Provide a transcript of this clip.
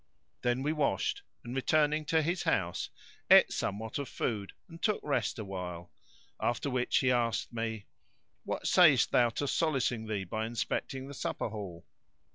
Then we washed and, returning to his house, ate somewhat of food and took rest awhile; after which he asked me, "What sayest thou to solacing thee by inspecting the supper hall?"